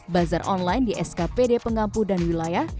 bazar online di skpd pengampu dan wilayah